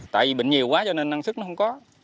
tại vì bệnh nhiều quá cho nên năng sức nó không có